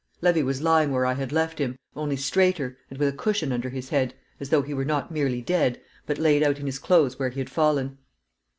Levy was lying where I had left him, only straighter, and with a cushion under his head, as though he were not merely dead, but laid out in his clothes where he had fallen.